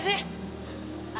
tidak usah ma